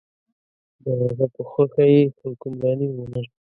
د هغه په خوښه یې حکمراني ومنله.